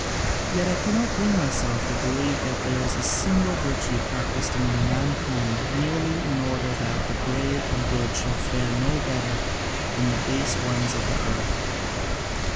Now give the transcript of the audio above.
Yet I cannot bring myself to believe that there is a single virtue practised among mankind merely in order that the brave and good should fare no better than the base ones of the earth.